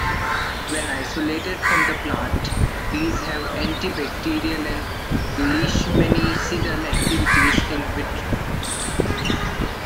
When isolated from the plant, these have antibacterial and leishmanicidal activities "in vitro".